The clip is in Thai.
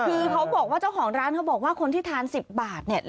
คือเขาบอกว่าเจ้าของร้านเขาบอกว่าคนที่ทาน๑๐บาทเนี่ย